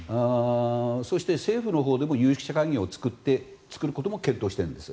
そして、政府のほうでも有識者会議を作ることも検討しているんです。